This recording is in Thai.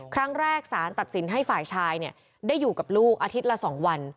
ครั้งแรกศาลตัดสินให้ฝ่ายชายได้อยู่กับลูกอาทิตย์ละสองวัน